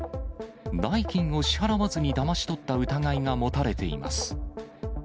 代金を支払わずにだまし取った疑いが持たれています。